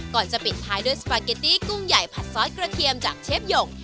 ก่อนจะปิดท้ายด้วยสปาเกตตี้กุ้งใหญ่ผัดซอสกระเทียมจากเชฟหย่ง